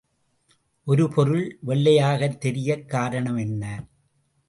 ஒரு பொருள் வெள்ளையாகத் தெரியக் காரணம் என்ன?